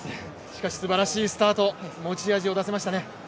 しかし、すばらしいスタート、持ち味を出せましたね。